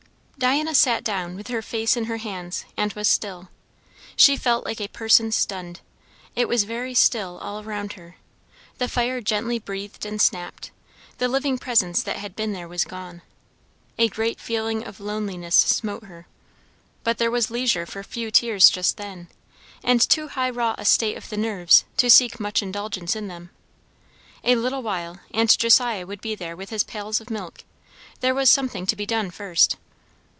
Diana sat down with her face in her hands, and was still. She felt like a person stunned. It was very still all around her. The fire gently breathed and snapped; the living presence that had been there was gone. A great feeling of loneliness smote her. But there was leisure for few tears just then; and too high wrought a state of the nerves to seek much indulgence in them. A little while, and Josiah would be there with his pails of milk; there was something to be done first.